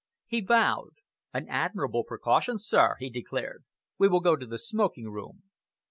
He bowed. "An admirable precaution, sir," he declared. "We will go to the smoking room."